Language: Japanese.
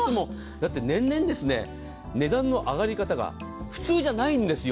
だって年々、値段の上がり方が普通じゃないんですよ。